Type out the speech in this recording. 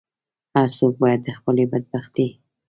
هر څوک باید د خپلې بدبختۍ.